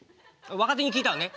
若手に聞いたのね？